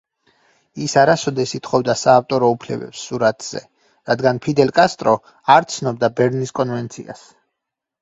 ის არასოდეს ითხოვდა საავტორო უფლებებს სურათზე, რადგან ფიდელ კასტრო არ ცნობდა ბერნის კონვენციას.